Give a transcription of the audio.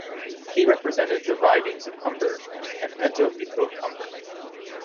He represented the ridings of Humber and Etobicoke-Humber.